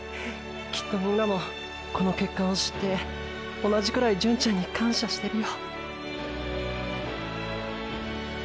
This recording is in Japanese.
きっとみんなもこの結果を知って同じくらい純ちゃんに感謝してるよ。